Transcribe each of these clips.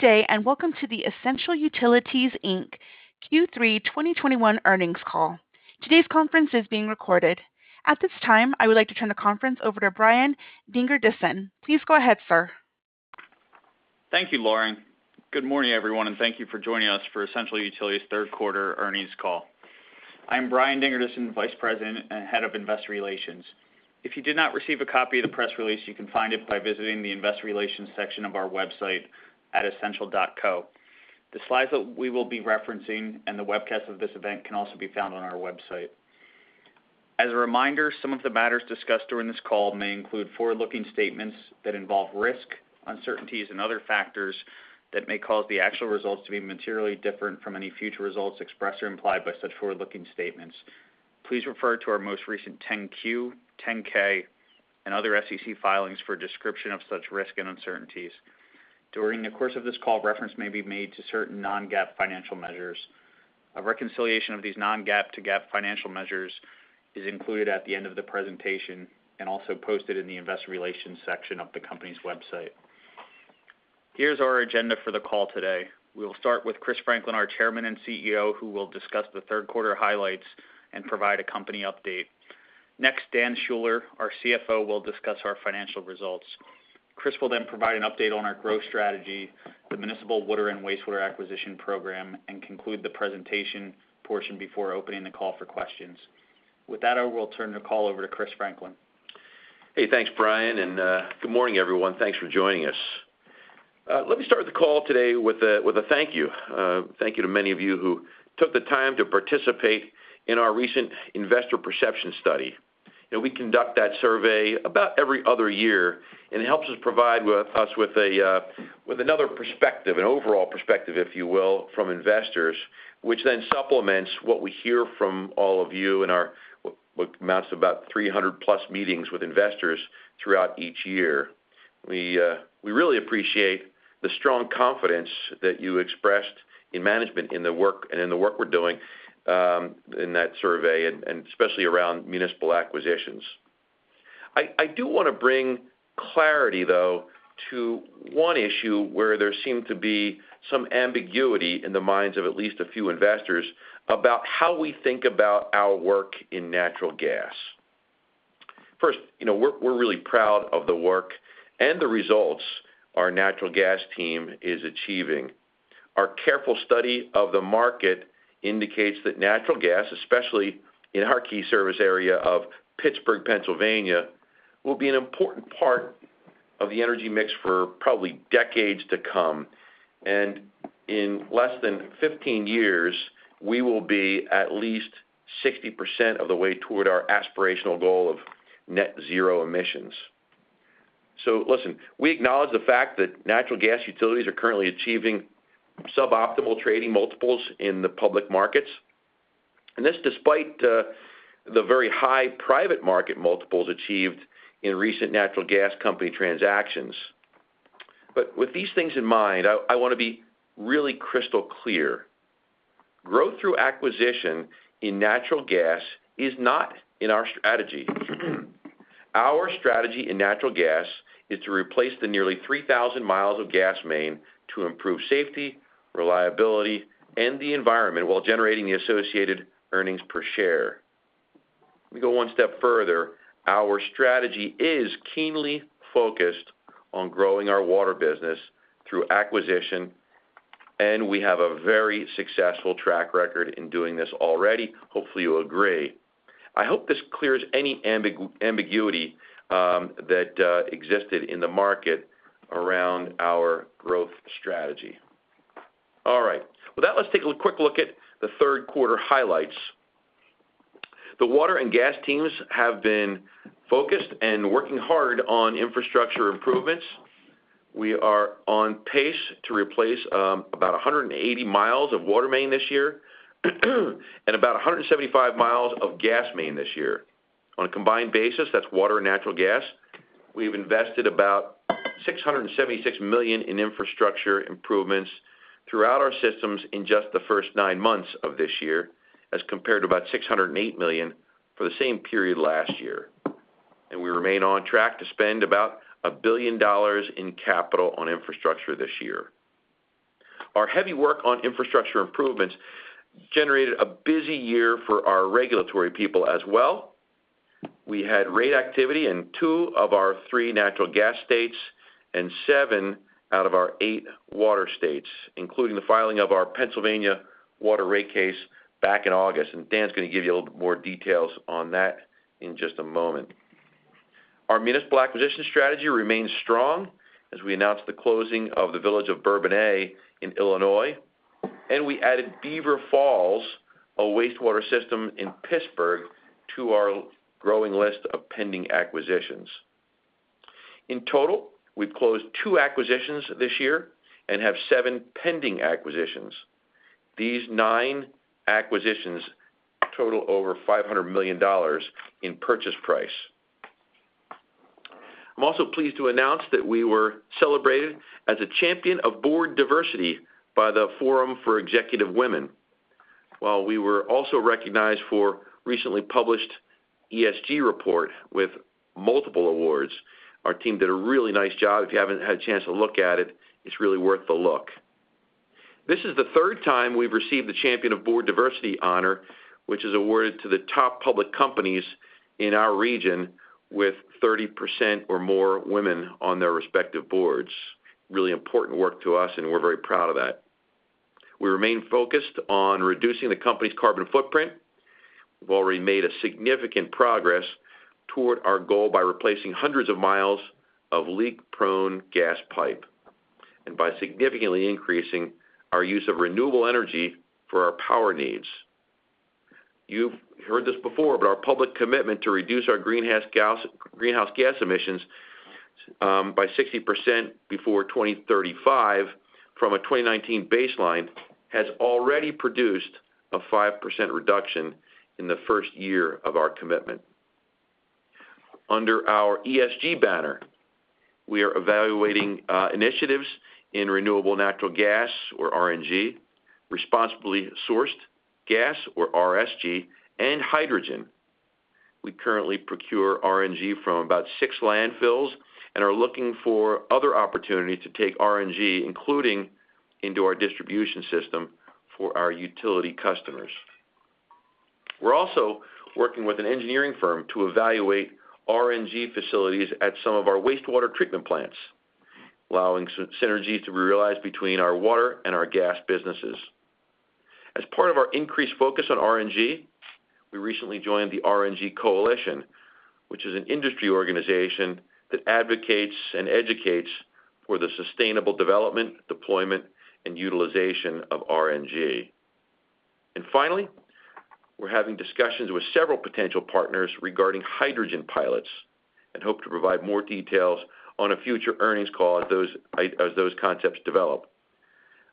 Goodday, and welcome to the Essential Utilities Inc. Q3 2021 earnings call. Today's conference is being recorded. At this time, I would like to turn the conference over to Brian Dingerdissen. Please go ahead, sir. Thank you, Lauren. Good morning, everyone, and thank you for joining us for Essential Utilities' third quarter earnings call. I'm Brian Dingerdissen, Vice President and Head of Investor Relations. If you did not receive a copy of the press release, you can find it by visiting the investor relations section of our website at essential.co. The slides that we will be referencing and the webcast of this event can also be found on our website. As a reminder, some of the matters discussed during this call may include forward-looking statements that involve risk, uncertainties, and other factors that may cause the actual results to be materially different from any future results expressed or implied by such forward-looking statements. Please refer to our most recent 10-Q, 10-K, and other SEC filings for a description of such risks and uncertainties. During the course of this call, reference may be made to certain non-GAAP financial measures. A reconciliation of these non-GAAP to GAAP financial measures is included at the end of the presentation and also posted in the investor relations section of the company's website. Here's our agenda for the call today. We'll start with Chris Franklin, our Chairman and CEO, who will discuss the third quarter highlights and provide a company update. Next, Dan Schuler, our CFO, will discuss our financial results. Chris will then provide an update on our growth strategy, the municipal water and wastewater acquisition program, and conclude the presentation portion before opening the call for questions. With that, I will turn the call over to Chris Franklin. Hey, thanks, Brian, and good morning, everyone. Thanks for joining us. Let me start the call today with a thank you. Thank you to many of you who took the time to participate in our recent investor perception study. You know, we conduct that survey about every other year, and it helps provide us with another perspective, an overall perspective, if you will, from investors, which then supplements what we hear from all of you in our what amounts to about 300 plus meetings with investors throughout each year. We really appreciate the strong confidence that you expressed in management in the work we're doing in that survey and especially around municipal acquisitions. I do wanna bring clarity, though, to one issue where there seemed to be some ambiguity in the minds of at least a few investors about how we think about our work in natural gas. First, you know, we're really proud of the work and the results our natural gas team is achieving. Our careful study of the market indicates that natural gas, especially in our key service area of Pittsburgh, Pennsylvania, will be an important part of the energy mix for probably decades to come. In less than 15 years, we will be at least 60% of the way toward our aspirational goal of net zero emissions. Listen, we acknowledge the fact that natural gas utilities are currently achieving sub-optimal trading multiples in the public markets, and this despite the very high private market multiples achieved in recent natural gas company transactions. With these things in mind, I wanna be really crystal clear. Growth through acquisition in natural gas is not in our strategy. Our strategy in natural gas is to replace the nearly 3,000 miles of gas main to improve safety, reliability, and the environment while generating the associated earnings per share. Let me go one step further. Our strategy is keenly focused on growing our water business through acquisition, and we have a very successful track record in doing this already. Hopefully, you'll agree. I hope this clears any ambiguity that existed in the market around our growth strategy. All right. With that, let's take a quick look at the third quarter highlights. The water and gas teams have been focused and working hard on infrastructure improvements. We are on pace to replace about 180 miles of water main this year and about 175 miles of gas main this year. On a combined basis, that's water and natural gas, we've invested about $676 million in infrastructure improvements throughout our systems in just the first nine months of this year as compared to about $608 million for the same period last year. We remain on track to spend about $1 billion in capital on infrastructure this year. Our heavy work on infrastructure improvements generated a busy year for our regulatory people as well. We had rate activity in two of our three natural gas states and seven out of our eight water states, including the filing of our Pennsylvania water rate case back in August. Dan's gonna give you a little bit more details on that in just a moment. Our municipal acquisition strategy remains strong as we announce the closing of the Village of Bourbonnais in Illinois, and we added Beaver Falls, a wastewater system in Pittsburgh, to our growing list of pending acquisitions. In total, we've closed two acquisitions this year and have seven pending acquisitions. These nine acquisitions total over $500 million in purchase price. I'm also pleased to announce that we were celebrated as a champion of board diversity by the Forum of Executive Women. While we were also recognized for recently published ESG report with multiple awards, our team did a really nice job. If you haven't had a chance to look at it's really worth the look. This is the third time we've received the Champion of Board Diversity honor, which is awarded to the top public companies in our region with 30% or more women on their respective boards. Really important work to us, and we're very proud of that. We remain focused on reducing the company's carbon footprint. We've already made a significant progress toward our goal by replacing hundreds of miles of leak-prone gas pipe and by significantly increasing our use of renewable energy for our power needs. You've heard this before, but our public commitment to reduce our greenhouse gas emissions by 60% before 2035 from a 2019 baseline has already produced a 5% reduction in the first year of our commitment. Under our ESG banner, we are evaluating initiatives in renewable natural gas or RNG, responsibly sourced gas or RNG, and hydrogen. We currently procure RNG from about six landfills and are looking for other opportunities to take RNG, including into our distribution system for our utility customers. We're also working with an engineering firm to evaluate RNG facilities at some of our wastewater treatment plants, allowing synergy to be realized between our water and our gas businesses. As part of our increased focus on RNG, we recently joined the RNG Coalition, which is an industry organization that advocates and educates for the sustainable development, deployment, and utilization of RNG. Finally, we're having discussions with several potential partners regarding hydrogen pilots and hope to provide more details on a future earnings call as those concepts develop.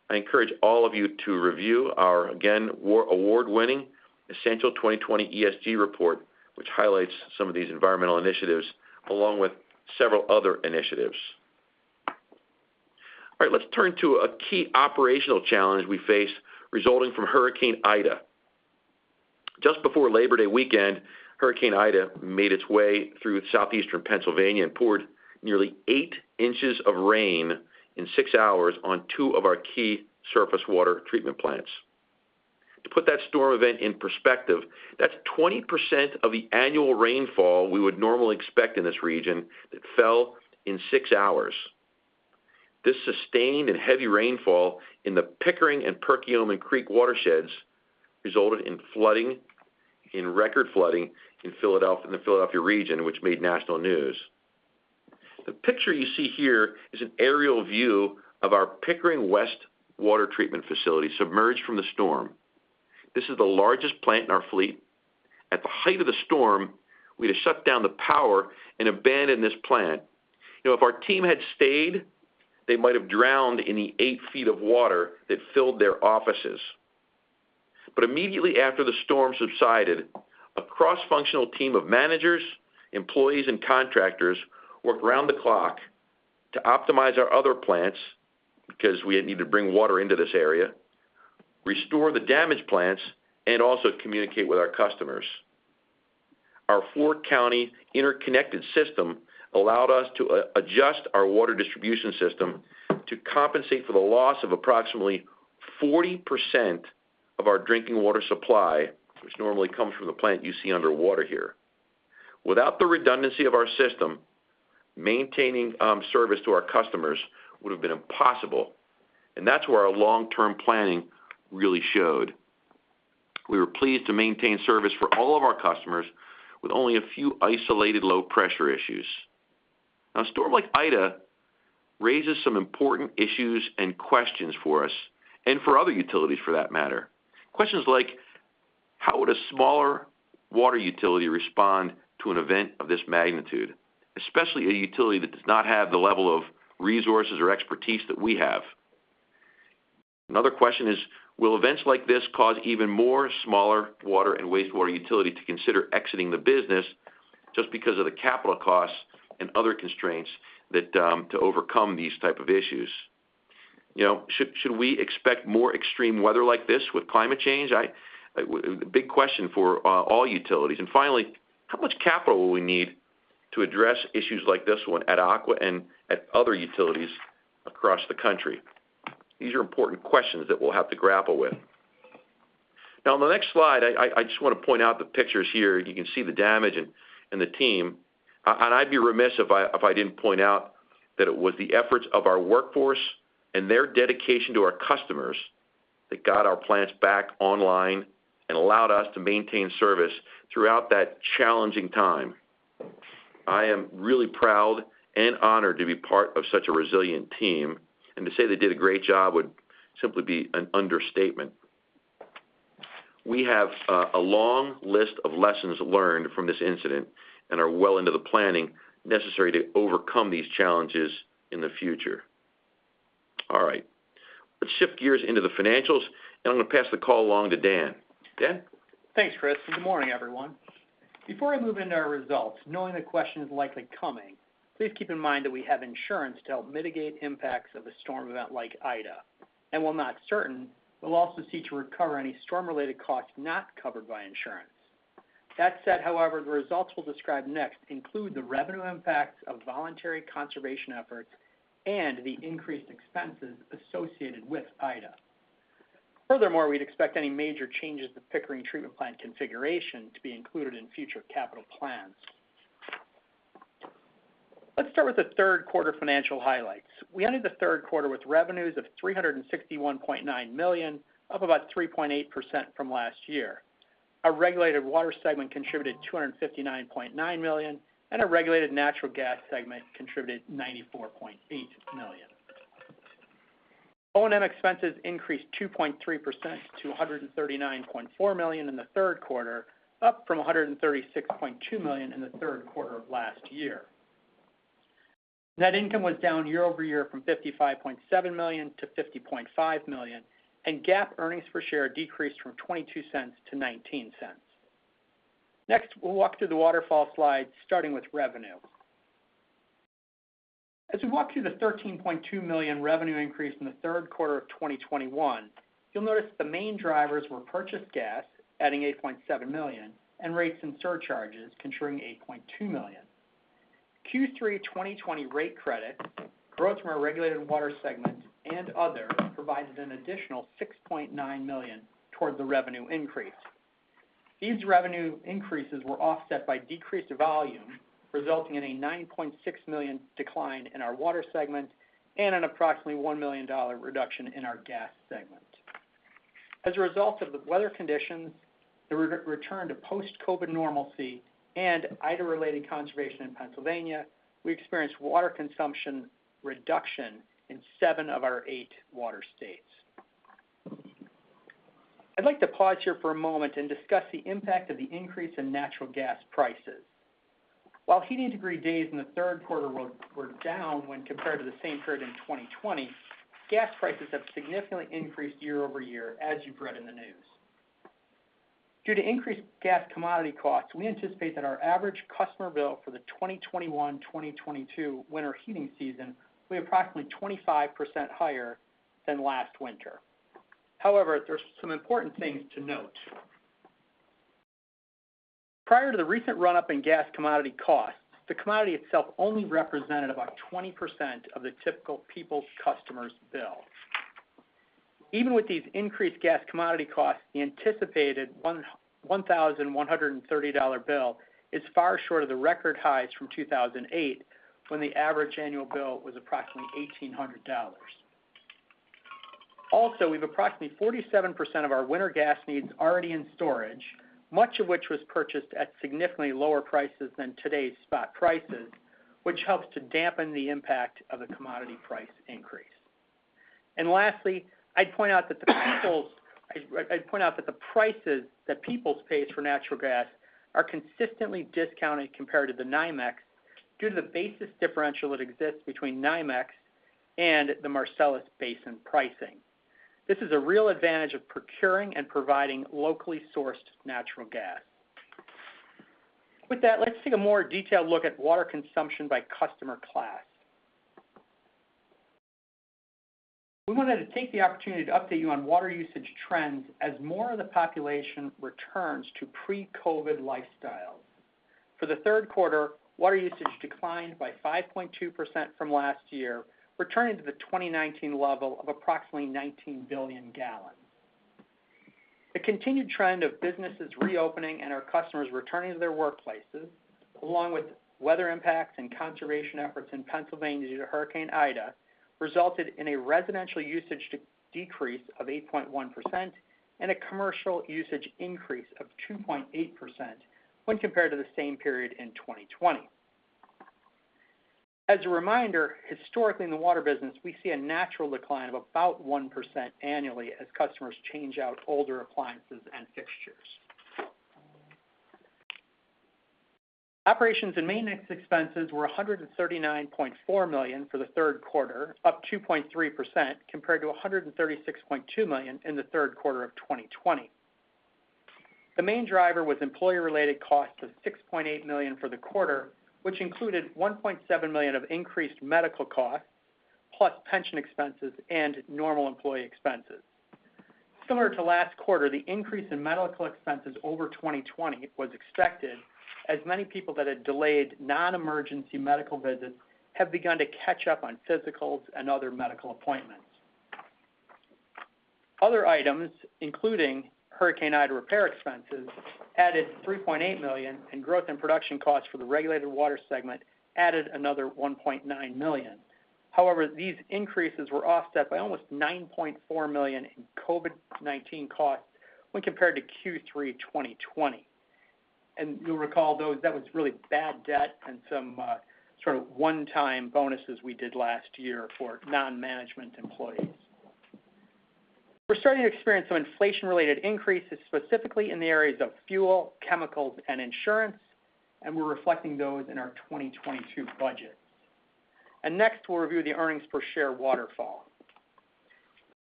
I encourage all of you to review our, again, award-winning Essential 2020 ESG report, which highlights some of these environmental initiatives along with several other initiatives. All right, let's turn to a key operational challenge we face resulting from Hurricane Ida. Just before Labor Day weekend, Hurricane Ida made its way through southeastern Pennsylvania and poured nearly 8 inches of rain in 6 hours on two of our key surface water treatment plants. To put that storm event in perspective, that's 20% of the annual rainfall we would normally expect in this region that fell in 6 hours. This sustained and heavy rainfall in the Pickering and Perkiomen Creek watersheds resulted in record flooding in the Philadelphia region, which made national news. The picture you see here is an aerial view of our Pickering West water treatment facility submerged from the storm. This is the largest plant in our fleet. At the height of the storm, we had to shut down the power and abandon this plant. You know, if our team had stayed, they might have drowned in the 8 feet of water that filled their offices. Immediately after the storm subsided, a cross-functional team of managers, employees, and contractors worked round the clock to optimize our other plants because we had needed to bring water into this area, restore the damaged plants, and also communicate with our customers. Our 4-county interconnected system allowed us to adjust our water distribution system to compensate for the loss of approximately 40% of our drinking water supply, which normally comes from the plant you see underwater here. Without the redundancy of our system, maintaining service to our customers would have been impossible, and that's where our long-term planning really showed. We were pleased to maintain service for all of our customers with only a few isolated low pressure issues. Now, a storm like Ida raises some important issues and questions for us and for other utilities for that matter. Questions like, how would a smaller water utility respond to an event of this magnitude, especially a utility that does not have the level of resources or expertise that we have? Another question is, will events like this cause even more smaller water and wastewater utility to consider exiting the business just because of the capital costs and other constraints that to overcome these type of issues? You know, should we expect more extreme weather like this with climate change? A big question for all utilities. Finally, how much capital will we need to address issues like this one at Aqua and at other utilities across the country? These are important questions that we'll have to grapple with. Now in the next slide, I just want to point out the pictures here. You can see the damage and the team. And I'd be remiss if I didn't point out that it was the efforts of our workforce and their dedication to our customers that got our plants back online and allowed us to maintain service throughout that challenging time. I am really proud and honored to be part of such a resilient team, and to say they did a great job would simply be an understatement. We have a long list of lessons learned from this incident and are well into the planning necessary to overcome these challenges in the future. All right, let's shift gears into the financials, and I'm gonna pass the call along to Dan. Dan? Thanks, Chris, and good morning, everyone. Before I move into our results, knowing the question is likely coming, please keep in mind that we have insurance to help mitigate impacts of a storm event like Ida. While not certain, we'll also seek to recover any storm-related costs not covered by insurance. That said, however, the results we'll describe next include the revenue impacts of voluntary conservation efforts and the increased expenses associated with Ida. Furthermore, we'd expect any major changes to Pickering Treatment Plant configuration to be included in future capital plans. Let's start with the third quarter financial highlights. We ended the third quarter with revenues of $361.9 million, up about 3.8% from last year. Our regulated water segment contributed $259.9 million, and our regulated natural gas segment contributed $94.8 million. O&M expenses increased 2.3% to $139.4 million in the third quarter, up from $136.2 million in the third quarter of last year. Net income was down year-over-year from $55.7 million to $50.5 million, and GAAP earnings per share decreased from $0.22 to $0.19. Next, we'll walk through the waterfall slide, starting with revenue. As we walk through the $13.2 million revenue increase in the third quarter of 2021, you'll notice the main drivers were purchased gas, adding $8.7 million, and rates and surcharges, contributing $8.2 million. Q3 2020 rate credit, growth from our regulated water segment, and other provided an additional $6.9 million towards the revenue increase. These revenue increases were offset by decreased volume, resulting in a $9.6 million decline in our water segment and an approximately $1 million reduction in our gas segment. As a result of the weather conditions, the return to post-COVID normalcy, and Ida-related conservation in Pennsylvania, we experienced water consumption reduction in 7 of our 8 water states. I'd like to pause here for a moment and discuss the impact of the increase in natural gas prices. While heating degree days in the third quarter were down when compared to the same period in 2020, gas prices have significantly increased year-over-year, as you've read in the news. Due to increased gas commodity costs, we anticipate that our average customer bill for the 2021/2022 winter heating season will be approximately 25% higher than last winter. However, there's some important things to note. Prior to the recent run-up in gas commodity costs, the commodity itself only represented about 20% of the typical Peoples customer's bill. Even with these increased gas commodity costs, the anticipated $1,130 bill is far short of the record highs from 2008, when the average annual bill was approximately $1,800. Also, we've approximately 47% of our winter gas needs already in storage, much of which was purchased at significantly lower prices than today's spot prices, which helps to dampen the impact of the commodity price increase. Lastly, I'd point out that the prices that Peoples pays for natural gas are consistently discounted compared to the NYMEX due to the basis differential that exists between NYMEX and the Marcellus basin pricing. This is a real advantage of procuring and providing locally sourced natural gas. With that, let's take a more detailed look at water consumption by customer class. We wanted to take the opportunity to update you on water usage trends as more of the population returns to pre-COVID lifestyles. For the third quarter, water usage declined by 5.2% from last year, returning to the 2019 level of approximately 19 billion gallons. The continued trend of businesses reopening and our customers returning to their workplaces, along with weather impacts and conservation efforts in Pennsylvania due to Hurricane Ida, resulted in a residential usage decrease of 8.1% and a commercial usage increase of 2.8% when compared to the same period in 2020. As a reminder, historically in the water business, we see a natural decline of about 1% annually as customers change out older appliances and fixtures. Operations and maintenance expenses were $139.4 million for the third quarter, up 2.3% compared to $136.2 million in the third quarter of 2020. The main driver was employee-related costs of $6.8 million for the quarter, which included $1.7 million of increased medical costs, plus pension expenses and normal employee expenses. Similar to last quarter, the increase in medical expenses over 2020 was expected, as many people that had delayed non-emergency medical visits have begun to catch up on physicals and other medical appointments. Other items, including Hurricane Ida repair expenses, added $3.8 million, and growth in production costs for the regulated water segment added another $1.9 million. However, these increases were offset by almost $9.4 million in COVID-19 costs when compared to Q3 2020. You'll recall those, that was really bad debt and some sort of one-time bonuses we did last year for non-management employees. We're starting to experience some inflation-related increases, specifically in the areas of fuel, chemicals, and insurance, and we're reflecting those in our 2022 budget. Next, we'll review the earnings per share waterfall.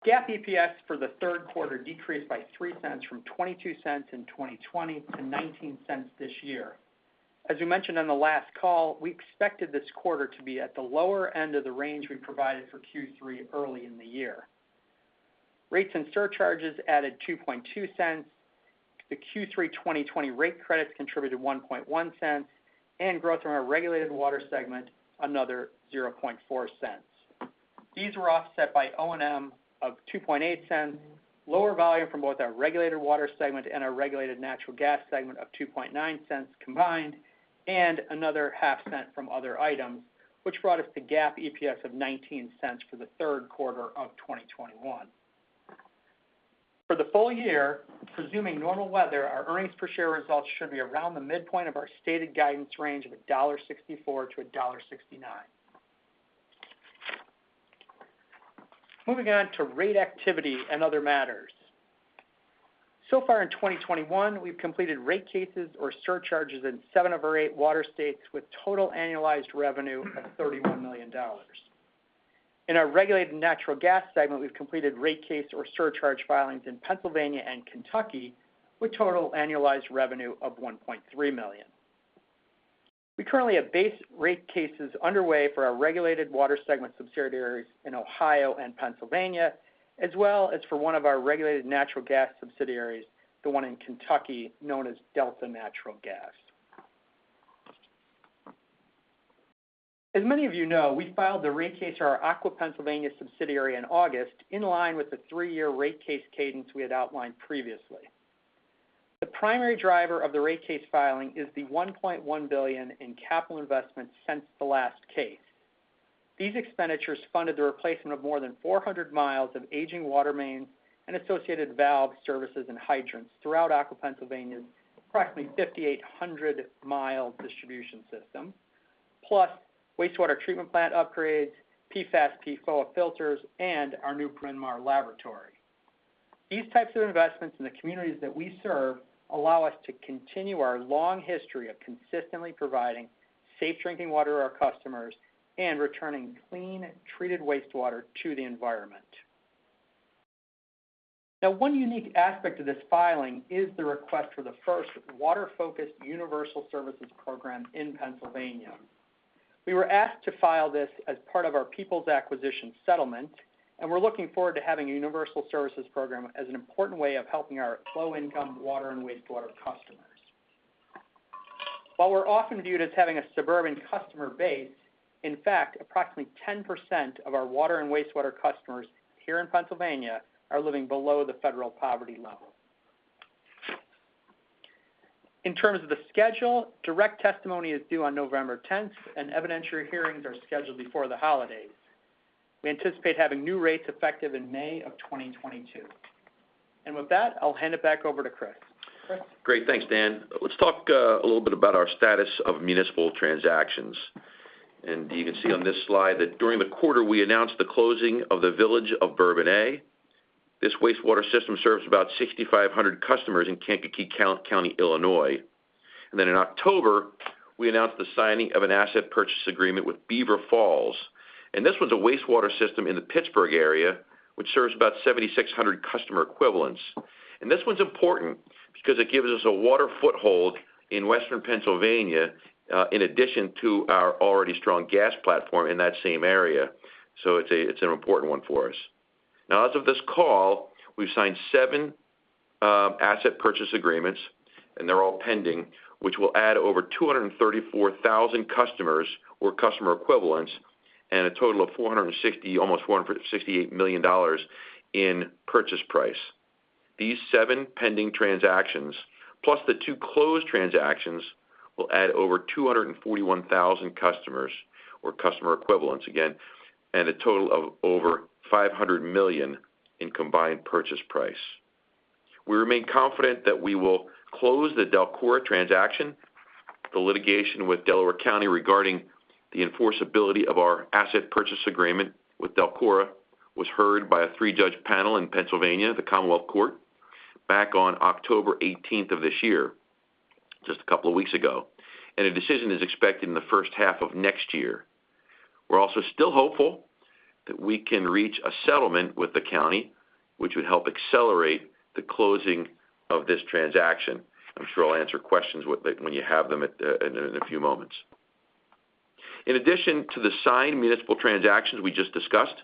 GAAP EPS for the third quarter decreased by $0.03 from $0.22 in 2020 to $0.19 this year. As we mentioned on the last call, we expected this quarter to be at the lower end of the range we provided for Q3 early in the year. Rates and surcharges added $0.022. The Q3 2020 rate credits contributed $0.011, and growth in our regulated water segment, another $0.004. These were offset by O&M of $0.028, lower volume from both our regulated water segment and our regulated natural gas segment of $0.029 combined, and another half cent from other items, which brought us to GAAP EPS of $0.19 for the third quarter of 2021. For the full year, presuming normal weather, our earnings per share results should be around the midpoint of our stated guidance range of $1.64-$1.69. Moving on to rate activity and other matters. So far in 2021, we've completed rate cases or surcharges in seven of our eight water states with total annualized revenue of $31 million. In our regulated natural gas segment, we've completed rate case or surcharge filings in Pennsylvania and Kentucky, with total annualized revenue of $1.3 million. We currently have base rate cases underway for our regulated water segment subsidiaries in Ohio and Pennsylvania, as well as for one of our regulated natural gas subsidiaries, the one in Kentucky known as Delta Natural Gas. As many of you know, we filed the rate case for our Aqua Pennsylvania subsidiary in August, in line with the three-year rate case cadence we had outlined previously. The primary driver of the rate case filing is the $1.1 billion in capital investments since the last case. These expenditures funded the replacement of more than 400 miles of aging water mains and associated valve services and hydrants throughout Aqua Pennsylvania's approximately 5,800-mile distribution system, plus wastewater treatment plant upgrades, PFAS, PFOA filters, and our new Bryn Mawr laboratory. These types of investments in the communities that we serve allow us to continue our long history of consistently providing safe drinking water to our customers and returning clean, treated wastewater to the environment. Now, one unique aspect of this filing is the request for the first water-focused universal services program in Pennsylvania. We were asked to file this as part of our Peoples Acquisition settlement, and we're looking forward to having a universal services program as an important way of helping our low-income water and wastewater customers. While we're often viewed as having a suburban customer base, in fact, approximately 10% of our water and wastewater customers here in Pennsylvania are living below the federal poverty level. In terms of the schedule, direct testimony is due on November tenth, and evidentiary hearings are scheduled before the holidays. We anticipate having new rates effective in May of 2022. With that, I'll hand it back over to Chris. Chris? Great. Thanks, Dan. Let's talk a little bit about our status of municipal transactions. You can see on this slide that during the quarter we announced the closing of the Village of Bourbonnais. This wastewater system serves about 6,500 customers in Kankakee County, Illinois. Then in October, we announced the signing of an asset purchase agreement with Beaver Falls, and this one's a wastewater system in the Pittsburgh area, which serves about 7,600 customer equivalents. This one's important because it gives us a water foothold in Western Pennsylvania, in addition to our already strong gas platform in that same area. It's an important one for us. Now, as of this call, we've signed seven asset purchase agreements, and they're all pending, which will add over 234,000 customers or customer equivalents and a total of $460 million, almost $468 million in purchase price. These seven pending transactions, plus the two closed transactions, will add over 241,000 customers or customer equivalents again, and a total of over $500 million in combined purchase price. We remain confident that we will close the DELCORA transaction. The litigation with Delaware County regarding the enforceability of our asset purchase agreement with DELCORA was heard by a three-judge panel in Pennsylvania, the Commonwealth Court, back on October 18 of this year, just a couple of weeks ago, and a decision is expected in the first half of next year. We're also still hopeful that we can reach a settlement with the county which would help accelerate the closing of this transaction. I'm sure I'll answer questions with it when you have them in a few moments. In addition to the signed municipal transactions we just discussed,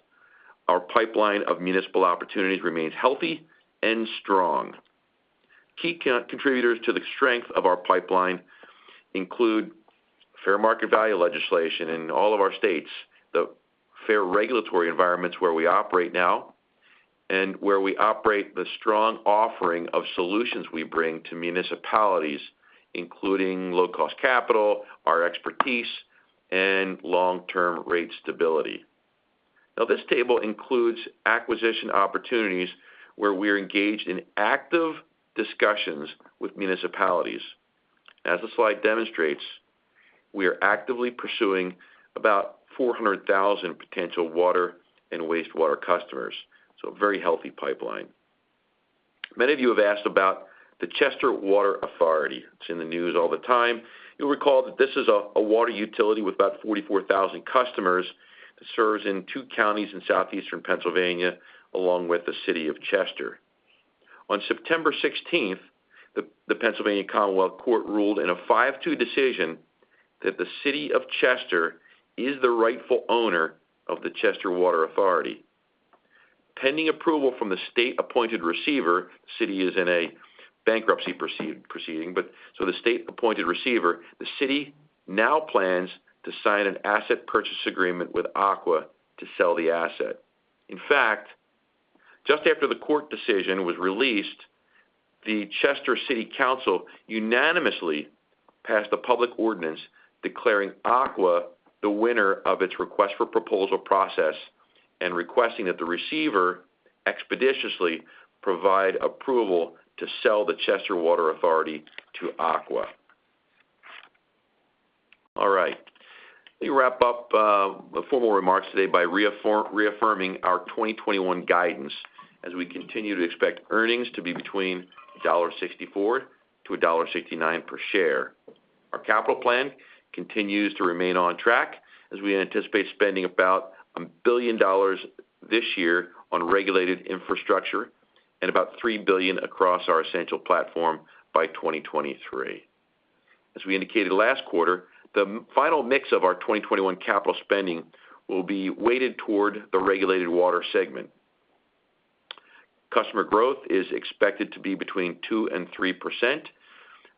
our pipeline of municipal opportunities remains healthy and strong. Key contributors to the strength of our pipeline include fair market value legislation in all of our states, the fair regulatory environments where we operate now, and where we operate the strong offering of solutions we bring to municipalities, including low-cost capital, our expertise, and long-term rate stability. Now, this table includes acquisition opportunities where we are engaged in active discussions with municipalities. As the slide demonstrates, we are actively pursuing about 400,000 potential water and wastewater customers, so a very healthy pipeline. Many of you have asked about the Chester Water Authority. It's in the news all the time. You'll recall that this is a water utility with about 44,000 customers. It serves in two counties in southeastern Pennsylvania, along with the city of Chester. On September sixteenth, the Pennsylvania Commonwealth Court ruled in a 5-2 decision that the city of Chester is the rightful owner of the Chester Water Authority. Pending approval from the state-appointed receiver, the city is in a bankruptcy proceeding, but so the state-appointed receiver, the city now plans to sign an asset purchase agreement with Aqua to sell the asset. In fact, just after the court decision was released, the Chester City Council unanimously passed a public ordinance declaring Aqua the winner of its request for proposal process and requesting that the receiver expeditiously provide approval to sell the Chester Water Authority to Aqua. All right. Let me wrap up the formal remarks today by reaffirming our 2021 guidance as we continue to expect earnings to be between $64-$69 per share. Our capital plan continues to remain on track as we anticipate spending about $1 billion this year on regulated infrastructure and about $3 billion across our Essential platform by 2023. As we indicated last quarter, the final mix of our 2021 capital spending will be weighted toward the regulated water segment. Customer growth is expected to be between 2%-3%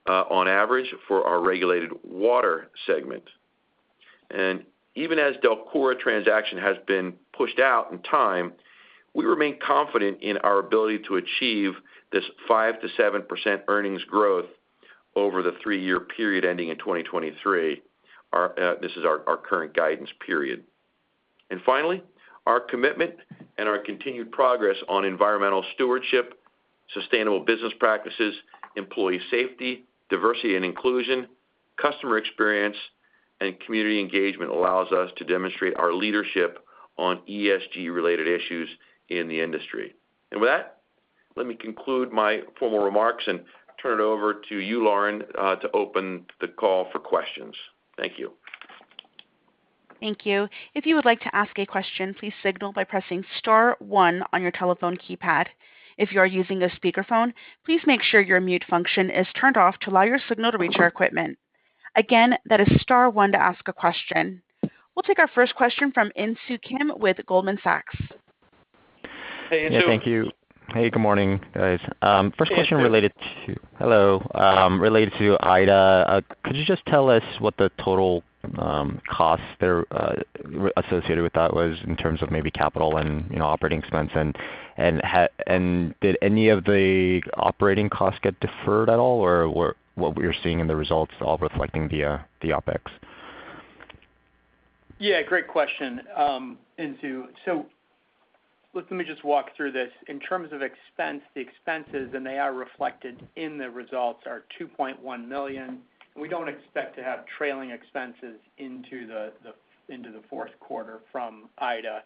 on average for our regulated water segment. Even as DELCORA transaction has been pushed out in time, we remain confident in our ability to achieve this 5%-7% earnings growth over the 3-year period ending in 2023. This is our current guidance period. Finally, our commitment and our continued progress on environmental stewardship, sustainable business practices, employee safety, diversity and inclusion, customer experience, and community engagement allows us to demonstrate our leadership on ESG-related issues in the industry. With that, let me conclude my formal remarks and turn it over to you, Lauren, to open the call for questions. Thank you. Thank you. If you would like to ask a question, please signal by pressing star one on your telephone keypad. If you are using a speakerphone, please make sure your mute function is turned off to allow your signal to reach our equipment. Again, that is star one to ask a question. We'll take our first question from Insoo Kim with Goldman Sachs. Hey, Insoo. Yeah. Thank you. Hey, good morning, guys. First question related to Hey. Hello. Related to Hurricane Ida. Could you just tell us what the total costs there associated with that was in terms of maybe capital and, you know, operating expense? Did any of the operating costs get deferred at all, or were what we are seeing in the results all reflecting the Opex? Yeah, great question, Insoo. Let me just walk through this. In terms of expenses, they are reflected in the results, are $2.1 million. We don't expect to have trailing expenses into the fourth quarter from Ida.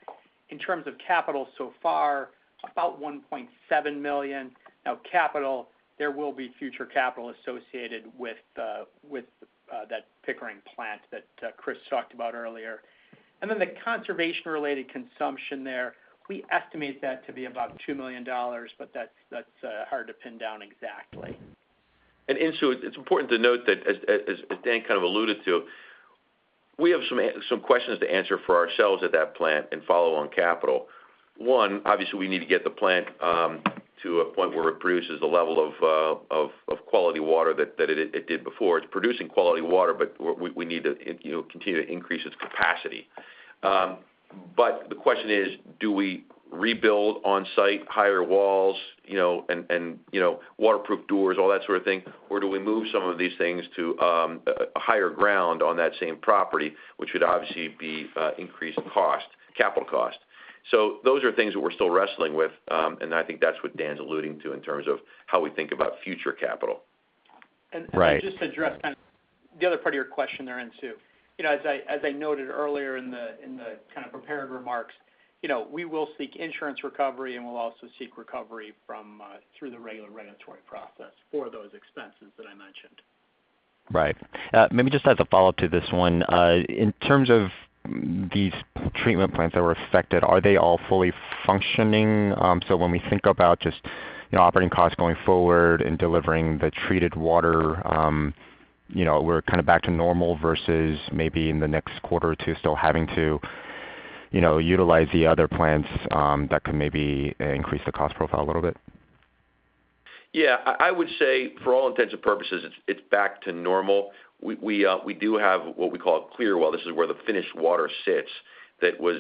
In terms of capital so far, about $1.7 million. Now capital, there will be future capital associated with that Pickering plant that Chris talked about earlier. Then the conservation related consumption there, we estimate that to be about $2 million, but that's hard to pin down exactly. Insoo, it's important to note that as Dan kind of alluded to, we have some questions to answer for ourselves at that plant and follow on capital. One, obviously we need to get the plant to a point where it produces the level of quality water that it did before. It's producing quality water, but we need to continue to increase its capacity. The question is, do we rebuild on-site higher walls, you know, and waterproof doors, all that sort of thing? Or do we move some of these things to a higher ground on that same property, which would obviously be increased cost, capital cost. Those are things that we're still wrestling with. I think that's what Dan's alluding to in terms of how we think about future capital. Right. Let me just address kind of the other part of your question there, Insoo. You know, as I noted earlier in the kind of prepared remarks, you know, we will seek insurance recovery, and we'll also seek recovery from through the regular regulatory process for those expenses that I mentioned. Right. Maybe just as a follow-up to this one. In terms of these treatment plants that were affected, are they all fully functioning? When we think about just, you know, operating costs going forward and delivering the treated water, you know, we're kind of back to normal versus maybe in the next quarter or two still having to, you know, utilize the other plants, that can maybe increase the cost profile a little bit. Yeah. I would say for all intents and purposes, it's back to normal. We do have what we call clear well, this is where the finished water sits that was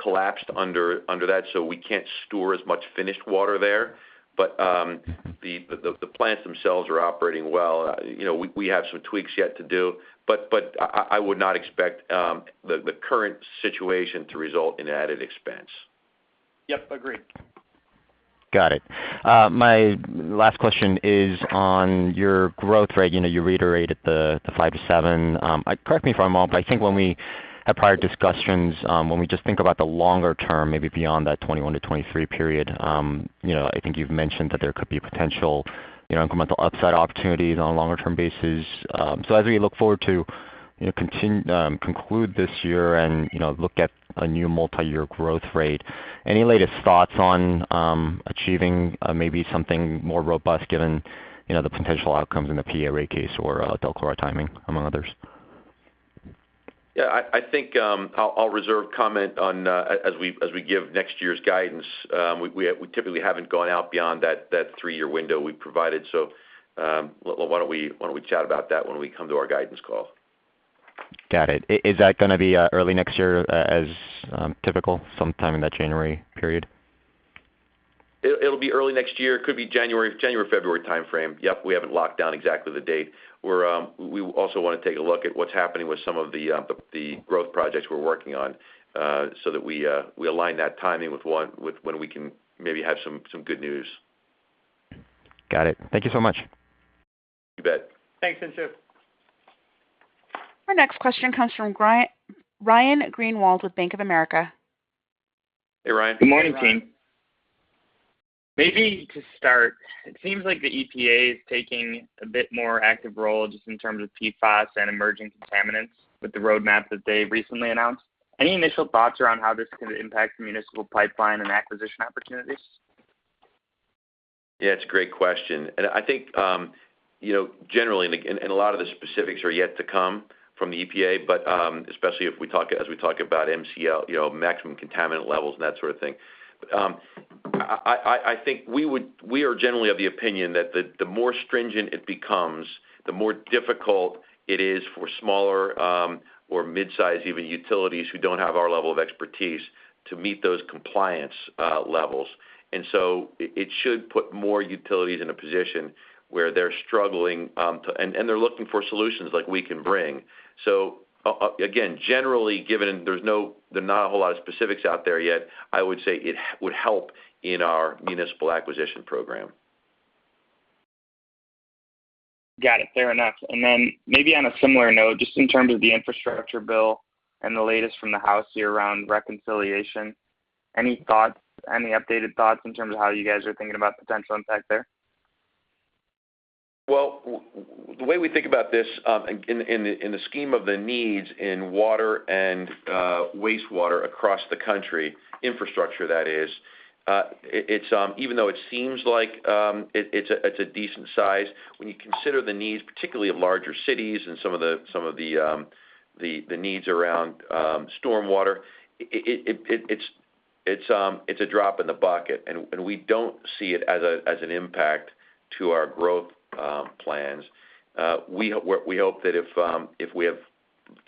collapsed under that, so we can't store as much finished water there. The plants themselves are operating well. You know, we have some tweaks yet to do, but I would not expect the current situation to result in added expense. Yep, agreed. Got it. My last question is on your growth rate. You know, you reiterated the 5%-7%. Correct me if I'm wrong, but I think when we had prior discussions, when we just think about the longer term, maybe beyond that 2021-2023 period, you know, I think you've mentioned that there could be potential, you know, incremental upside opportunities on a longer term basis. As we look forward to, you know, conclude this year and, you know, look at a new multi-year growth rate, any latest thoughts on achieving, maybe something more robust given, you know, the potential outcomes in the PA rate case or, DELCORA timing, among others? Yeah, I think I'll reserve comment on as we give next year's guidance. We typically haven't gone out beyond that three-year window we've provided. Well, why don't we chat about that when we come to our guidance call? Got it. Is that gonna be early next year as typical, sometime in that January period? It'll be early next year. Could be January, February timeframe. Yep, we haven't locked down exactly the date. We also wanna take a look at what's happening with some of the growth projects we're working on, so that we align that timing with when we can maybe have some good news. Got it. Thank you so much. You bet. Thanks, Insoo Kim. Our next question comes from Ryan Greenwald with Bank of America. Hey, Ryan. Hey, Ryan. Good morning, team. Maybe to start, it seems like the EPA is taking a bit more active role just in terms of PFOS and emerging contaminants with the roadmap that they've recently announced. Any initial thoughts around how this is gonna impact the municipal pipeline and acquisition opportunities? Yeah, it's a great question. I think, you know, generally, and a lot of the specifics are yet to come from the EPA, but especially as we talk about MCL, you know, maximum contaminant levels and that sort of thing. I think we are generally of the opinion that the more stringent it becomes, the more difficult it is for smaller or mid-size even utilities who don't have our level of expertise to meet those compliance levels. It should put more utilities in a position where they're struggling and they're looking for solutions like we can bring. Again, generally given there are not a whole lot of specifics out there yet, I would say it would help in our municipal acquisition program. Got it. Fair enough. Maybe on a similar note, just in terms of the infrastructure bill and the latest from the House here around reconciliation, any thoughts, any updated thoughts in terms of how you guys are thinking about potential impact there? Well, the way we think about this, in the scheme of the needs in water and wastewater across the country, infrastructure, that is, it's even though it seems like it's a decent size, when you consider the needs, particularly of larger cities and some of the needs around storm water, it's a drop in the bucket. We don't see it as an impact to our growth plans. We hope that if we have,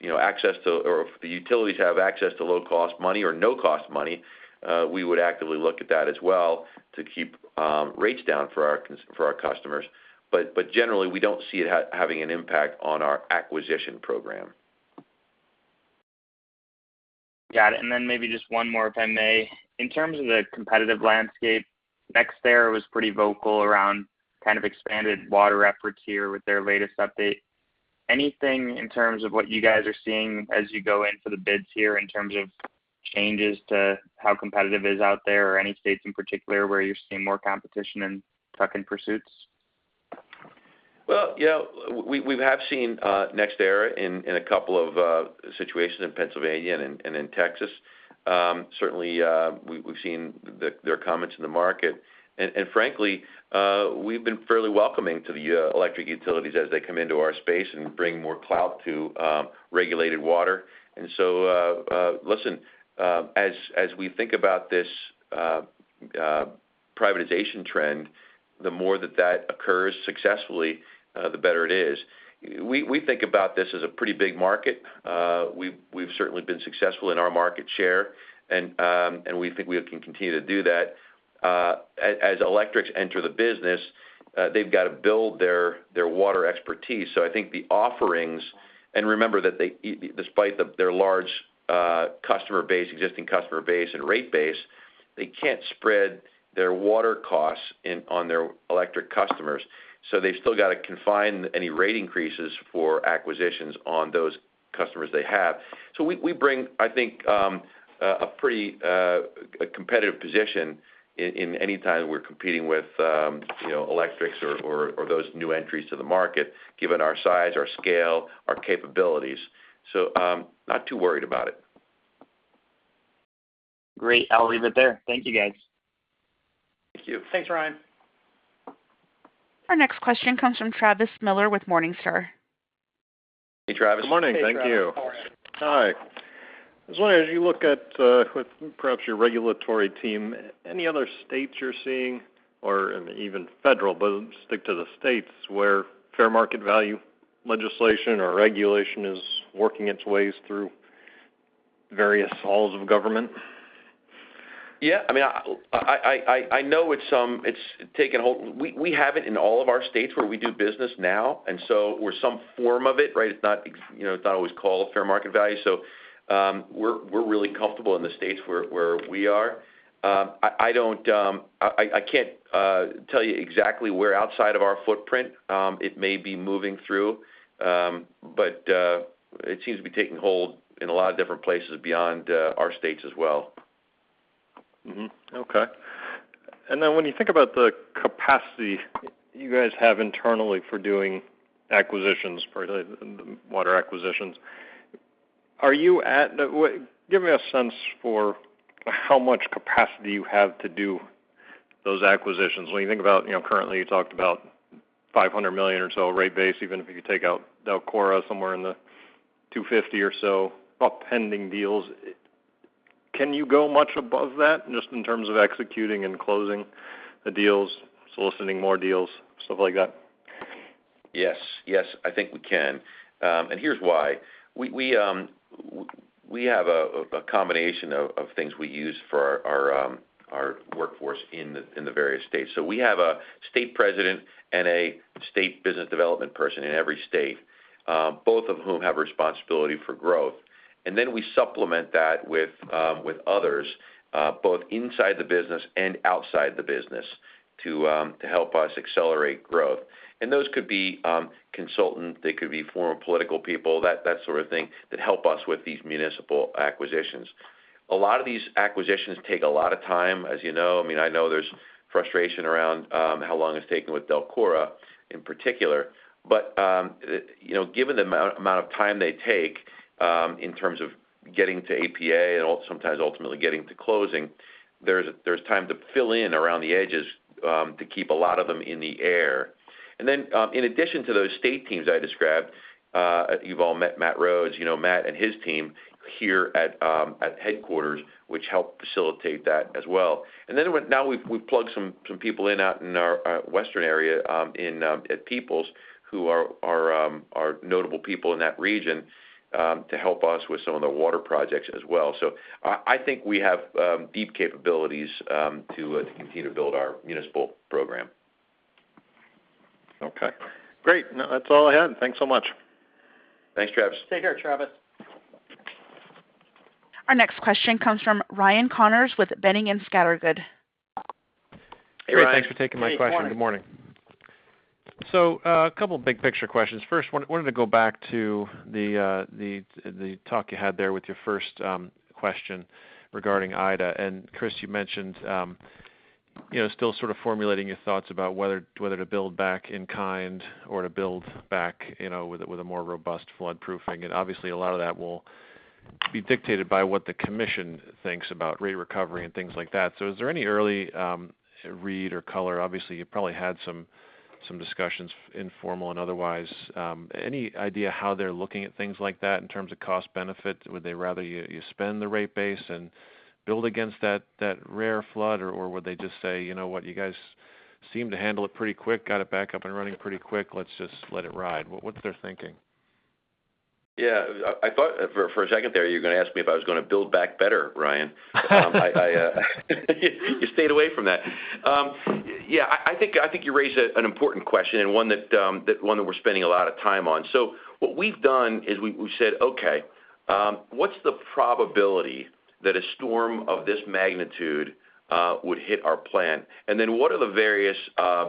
you know, access to, or if the utilities have access to low cost money or no cost money, we would actively look at that as well to keep rates down for our customers. Generally, we don't see it having an impact on our acquisition program. Got it. Maybe just one more, if I may. In terms of the competitive landscape, NextEra was pretty vocal around kind of expanded water efforts here with their latest update. Anything in terms of what you guys are seeing as you go in for the bids here in terms of changes to how competitive it is out there or any states in particular where you're seeing more competition in tuck-in pursuits? Well, you know, we have seen NextEra in a couple of situations in Pennsylvania and in Texas. Certainly, we've seen their comments in the market. Frankly, we've been fairly welcoming to the electric utilities as they come into our space and bring more clout to regulated water. Listen, as we think about this privatization trend, the more that occurs successfully, the better it is. We think about this as a pretty big market. We've certainly been successful in our market share, and we think we can continue to do that. As electrics enter the business, they've got to build their water expertise. I think the offerings. Remember that they, despite their large customer base, existing customer base and rate base, they can't spread their water costs on their electric customers. They've still got to confine any rate increases for acquisitions on those customers they have. We bring, I think, a pretty competitive position in any time we're competing with, you know, electrics or those new entries to the market, given our size, our scale, our capabilities. Not too worried about it. Great. I'll leave it there. Thank you, guys. Thank you. Thanks, Ryan. Our next question comes from Travis Miller with Morningstar. Hey, Travis. Good morning. Thank you. All right. Hi. I was wondering, as you look at perhaps your regulatory team, any other states you're seeing or, and even federal, but stick to the states, where fair market value legislation or regulation is working its ways through various halls of government? Yeah, I mean, I know it's taken hold. We have it in all of our states where we do business now, or some form of it, right? It's not always called fair market value, you know. We're really comfortable in the states where we are. I can't tell you exactly where outside of our footprint it may be moving through. It seems to be taking hold in a lot of different places beyond our states as well. When you think about the capacity you guys have internally for doing acquisitions, particularly in the water acquisitions, give me a sense for how much capacity you have to do those acquisitions. When you think about, you know, currently, you talked about $500 million or so rate base, even if you could take out DELCORA, somewhere in the $250 or so about pending deals. Can you go much above that just in terms of executing and closing the deals, soliciting more deals, stuff like that? Yes. Yes, I think we can. Here's why. We have a combination of things we use for our workforce in the various states. We have a state president and a state business development person in every state, both of whom have responsibility for growth. We supplement that with others, both inside the business and outside the business to help us accelerate growth. Those could be consultants, they could be former political people, that sort of thing that help us with these municipal acquisitions. A lot of these acquisitions take a lot of time, as you know. I mean, I know there's frustration around how long it's taken with DELCORA in particular. Given the amount of time they take in terms of getting to APA and also sometimes ultimately getting to closing, there's time to fill in around the edges to keep a lot of them in the air. In addition to those state teams I described, you've all met Matt Rhodes, you know, Matt and his team here at headquarters, which help facilitate that as well. Now we've plugged some people in out in our western area in at Peoples, who are notable people in that region to help us with some of the water projects as well. I think we have deep capabilities to continue to build our municipal program. Okay. Great. Now that's all I had. Thanks so much. Thanks, Travis. Take care, Travis. Our next question comes from Ryan Connors with Boenning & Scattergood. Hey, Ryan. Thanks for taking my question. Good morning. A couple big-picture questions. First, wanted to go back to the talk you had there with your first question regarding Ida. Chris, you mentioned, you know, still sort of formulating your thoughts about whether to build back in kind or to build back, you know, with a more robust flood proofing. Obviously, a lot of that will be dictated by what the commission thinks about rate recovery and things like that. Is there any early read or color? Obviously, you probably had some discussions, informal and otherwise. Any idea how they're looking at things like that in terms of cost benefit? Would they rather you spend the rate base and build against that rare flood? Or would they just say, "You know what? You guys seemed to handle it pretty quick, got it back up and running pretty quick. Let's just let it ride." What's their thinking? Yeah. I thought for a second there, you were gonna ask me if I was gonna build back better, Ryan. You stayed away from that. Yeah, I think you raise an important question and one that we're spending a lot of time on. What we've done is we said, "Okay, what's the probability that a storm of this magnitude would hit our plant? And then what are the various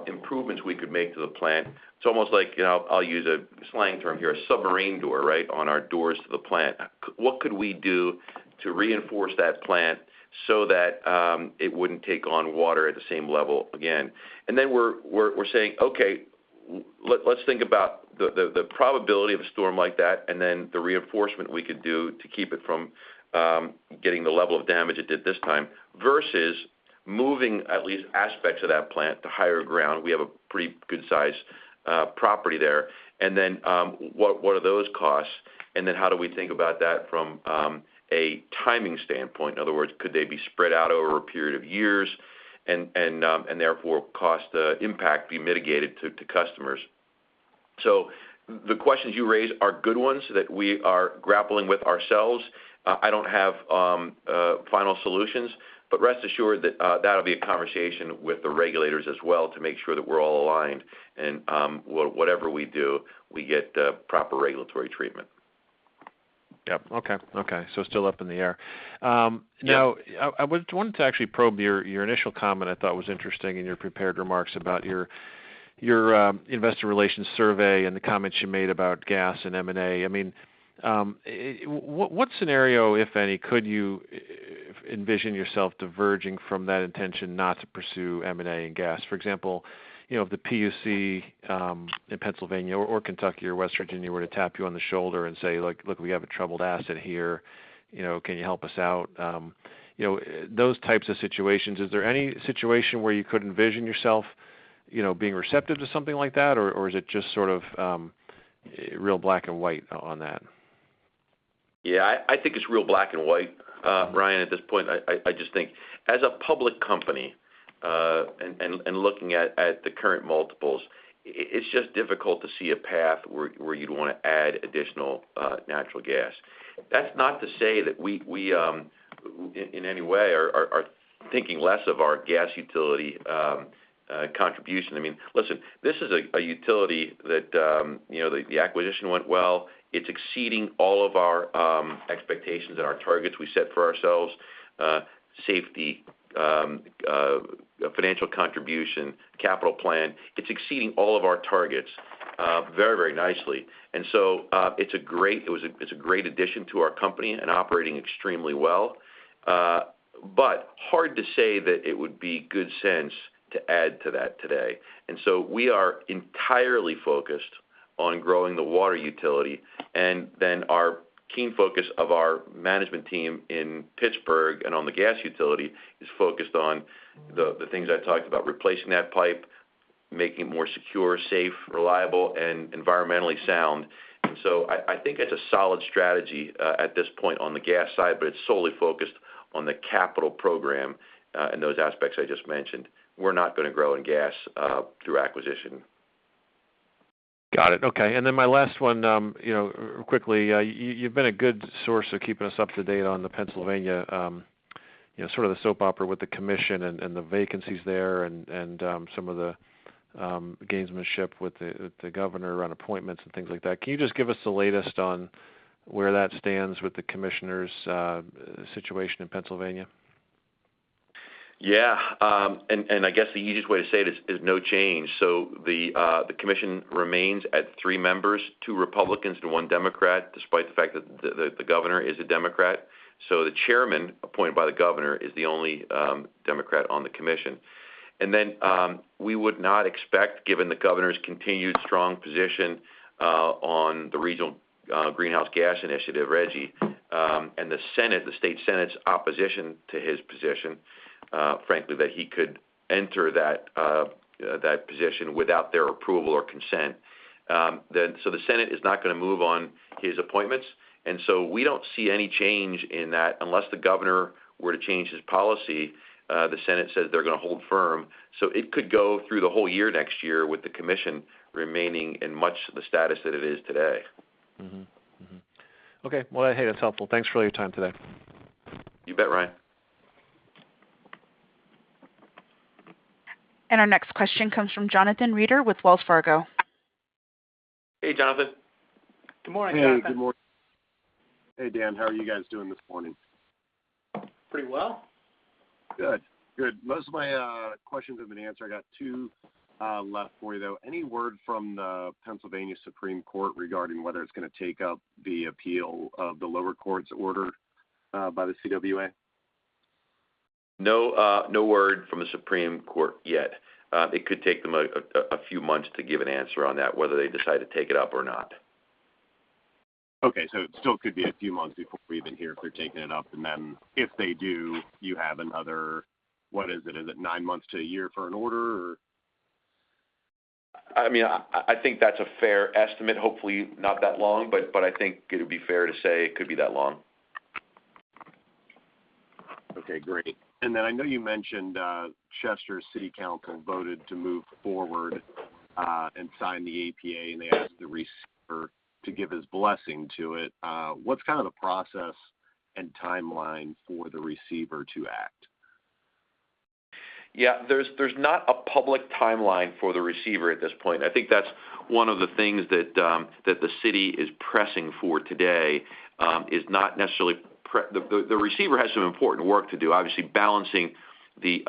improvements we could make to the plant?" It's almost like, you know, I'll use a slang term here, a submarine door, right, on our doors to the plant. What could we do to reinforce that plant so that it wouldn't take on water at the same level again? We're saying, "Okay, let's think about the probability of a storm like that and then the reinforcement we could do to keep it from getting the level of damage it did this time versus moving at least aspects of that plant to higher ground." We have a pretty good-sized property there. What are those costs? How do we think about that from a timing standpoint? In other words, could they be spread out over a period of years and therefore cost impact be mitigated to customers? The questions you raised are good ones that we are grappling with ourselves. I don't have final solutions, but rest assured that that'll be a conversation with the regulators as well to make sure that we're all aligned and whatever we do, we get the proper regulatory treatment. Yep. Okay. Still up in the air. Yeah. I wanted to actually probe your initial comment I thought was interesting in your prepared remarks about your investor relations survey and the comments you made about gas and M&A. I mean, what scenario, if any, could you envision yourself diverging from that intention not to pursue M&A and gas? For example, you know, if the PUC in Pennsylvania or Kentucky or West Virginia were to tap you on the shoulder and say, "Look, we have a troubled asset here, you know, can you help us out?" You know, those types of situations, is there any situation where you could envision yourself, you know, being receptive to something like that? Or is it just sort of real black and white on that? Yeah. I think it's real black and white, Ryan, at this point. I just think as a public company and looking at the current multiples, it's just difficult to see a path where you'd wanna add additional natural gas. That's not to say that we in any way are thinking less of our gas utility contribution. I mean, listen, this is a utility that you know, the acquisition went well. It's exceeding all of our expectations and our targets we set for ourselves, safety, financial contribution, capital plan. It's exceeding all of our targets very nicely. It's a great addition to our company and operating extremely well. Hard to say that it would be good sense to add to that today. We are entirely focused on growing the water utility. Our keen focus of our management team in Pittsburgh and on the gas utility is focused on the things I talked about, replacing that pipe, making it more secure, safe, reliable, and environmentally sound. I think it's a solid strategy at this point on the gas side, but it's solely focused on the capital program and those aspects I just mentioned. We're not gonna grow in gas through acquisition. Got it. Okay. My last one, you know, quickly, you've been a good source of keeping us up to date on the Pennsylvania, you know, sort of the soap opera with the commission and the vacancies there and some of the gamesmanship with the governor around appointments and things like that. Can you just give us the latest on where that stands with the commissioners' situation in Pennsylvania? Yeah. I guess the easiest way to say it is no change. The commission remains at three members, two Republicans and one Democrat, despite the fact that the governor is a Democrat. The chairman appointed by the governor is the only Democrat on the commission. We would not expect, given the governor's continued strong position on the Regional Greenhouse Gas Initiative, RGGI, and the state Senate's opposition to his position, frankly, that he could enter that position without their approval or consent. The Senate is not gonna move on his appointments, and so we don't see any change in that. Unless the governor were to change his policy, the Senate says they're gonna hold firm. It could go through the whole year next year with the commission remaining in much the status that it is today. Okay. Well, hey, that's helpful. Thanks for all your time today. You bet, Ryan. Our next question comes from Jonathan Reeder with Wells Fargo. Hey, Jonathan. Good morning, Jonathan. Hey, Dan, how are you guys doing this morning? Pretty well. Good. Good. Most of my questions have been answered. I got two left for you, though. Any word from the Pennsylvania Supreme Court regarding whether it's gonna take up the appeal of the lower court's order by the CWA? No, no word from the Supreme Court yet. It could take them a few months to give an answer on that, whether they decide to take it up or not. Okay. It still could be a few months before we even hear if they're taking it up. Then if they do, you have another, what is it? Is it 9 months to a year for an order or... I mean, I think that's a fair estimate. Hopefully not that long, but I think it would be fair to say it could be that long. Okay, great. I know you mentioned Chester City Council voted to move forward and sign the APA, and they asked the receiver to give his blessing to it. What's kind of the process and timeline for the receiver to act? Yeah. There's not a public timeline for the receiver at this point. I think that's one of the things that the city is pressing for today. The receiver has some important work to do, obviously balancing the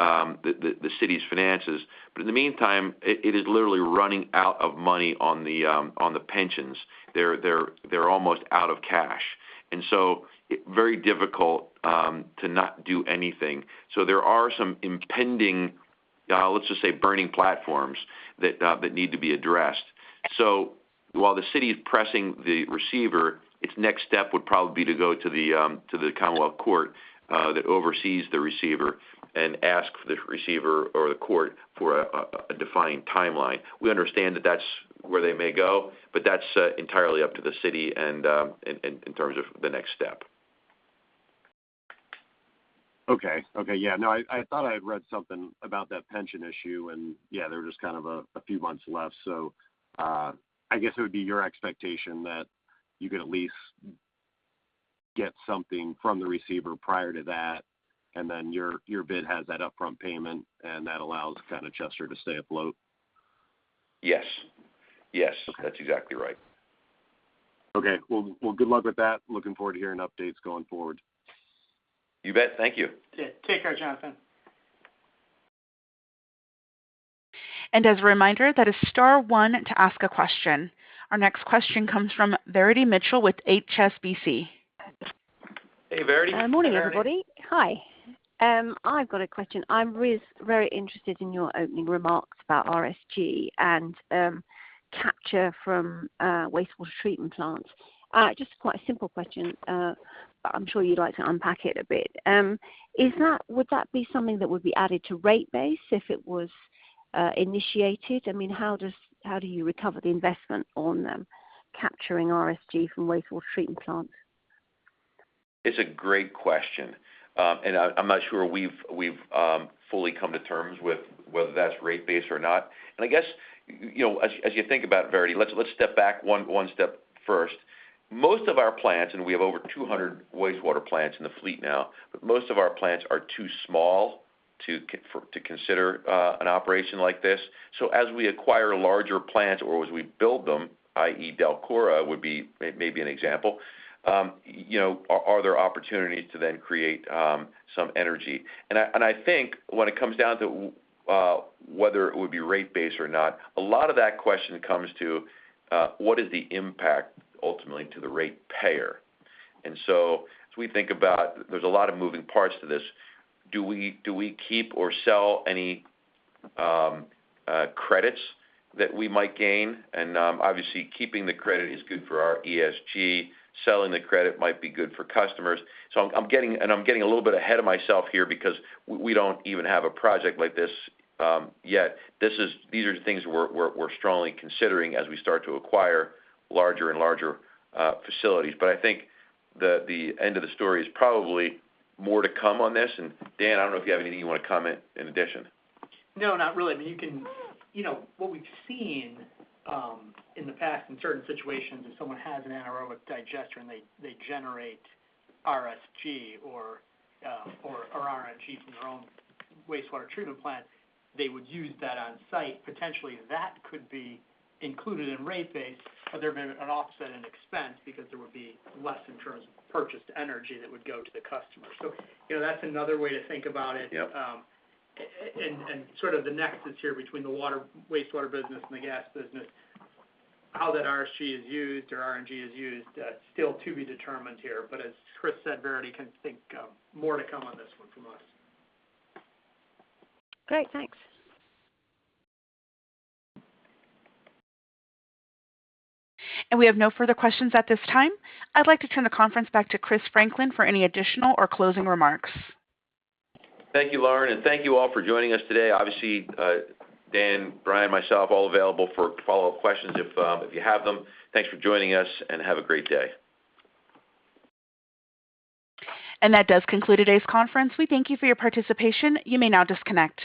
city's finances, but in the meantime, it is literally running out of money on the pensions. They're almost out of cash, and so very difficult to not do anything. There are some impending, let's just say, burning platforms that need to be addressed. While the city is pressing the receiver, its next step would probably be to go to the Commonwealth Court that oversees the receiver and ask the receiver or the court for a defined timeline. We understand that that's where they may go, but that's entirely up to the city and in terms of the next step. Okay. Okay. Yeah, no, I thought I had read something about that pension issue and yeah, there was just kind of a few months left. I guess it would be your expectation that you could at least get something from the receiver prior to that, and then your bid has that upfront payment, and that allows kind of Chester to stay afloat. Yes. Yes. Okay. That's exactly right. Okay. Well, good luck with that. Looking forward to hearing updates going forward. You bet. Thank you. Yeah. Take care, Jonathan. As a reminder, that is star one to ask a question. Our next question comes from Verity Mitchell with HSBC. Hey, Verity. Good morning. Hey, Verity. Hi. I've got a question. I'm very interested in your opening remarks about RSG and capture from wastewater treatment plants. Just quite a simple question, but I'm sure you'd like to unpack it a bit. Would that be something that would be added to rate base if it was initiated? I mean, how do you recover the investment on capturing RSG from wastewater treatment plants? It's a great question. I'm not sure we've fully come to terms with whether that's rate base or not. I guess, you know, as you think about Verity, let's step back one step first. Most of our plants, and we have over 200 wastewater plants in the fleet now, but most of our plants are too small to consider an operation like this. As we acquire larger plants or as we build them, i.e., DELCORA would be maybe an example, you know, are there opportunities to then create some energy. I think when it comes down to whether it would be rate base or not, a lot of that question comes to what is the impact ultimately to the rate payer. As we think about there's a lot of moving parts to this, do we keep or sell any credits that we might gain? Obviously, keeping the credit is good for our ESG. Selling the credit might be good for customers. I'm getting a little bit ahead of myself here because we don't even have a project like this yet. These are things we're strongly considering as we start to acquire larger and larger facilities. I think the end of the story is probably more to come on this. Dan, I don't know if you have anything you wanna comment in addition. No, not really. I mean, you can. You know, what we've seen in the past in certain situations, if someone has an anaerobic digester and they generate RSG or RNG from their own wastewater treatment plant, they would use that on site. Potentially, that could be included in rate base, but there may be an offset in expense because there would be less in terms of purchased energy that would go to the customer. You know, that's another way to think about it. Yep. sort of the nexus here between the water and wastewater business and the gas business, how that RSG is used or RNG is used, still to be determined here. As Chris said, Verity can think of more to come on this one from us. Great. Thanks. We have no further questions at this time. I'd like to turn the conference back to Christopher Franklin for any additional or closing remarks. Thank you, Lauren, and thank you all for joining us today. Obviously, Dan, Brian, myself, all available for follow-up questions if you have them. Thanks for joining us, and have a great day. That does conclude today's conference. We thank you for your participation. You may now disconnect.